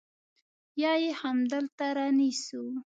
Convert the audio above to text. يا يې همدلته رانيسو.